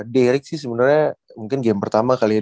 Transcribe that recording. derek sih sebenernya mungkin game pertama kali ya